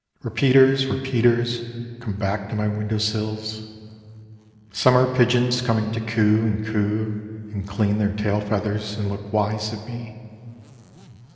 Repeaters, repeaters, come back to my window sflls. Some are pigeons coming to coo and coo and clean their tail feathers and look wise at me.